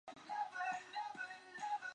鸻刺缘吸虫为棘口科刺缘属的动物。